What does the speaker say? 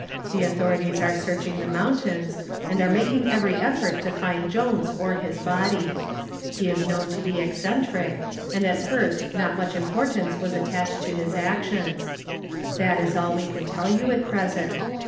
The authorities are searching the mountains and are making every effort to find Jones or his body. He is known to be eccentric and at first not much importance was attached to his actions. That is all we can tell you at present.